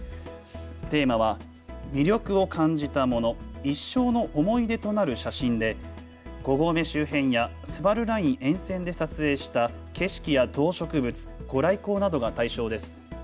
テーマは魅力を感じたもの、一生の思い出となる写真で５合目周辺やスバルライン沿線で撮影した景色や動植物、御来光などが対象です。